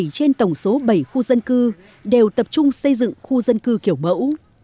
bảy trên tổng số bảy khu dân cư đều tập trung xây dựng khu dân cư kiểu mẫu